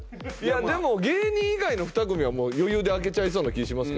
でも芸人以外の２組は余裕で開けちゃいそうな気します。